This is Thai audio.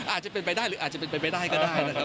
อาจจะเป็นไปได้หรืออาจจะเป็นไปไม่ได้ก็ได้